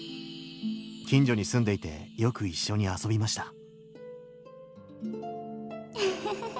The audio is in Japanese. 近所に住んでいてよく一緒に遊びましたうふふ。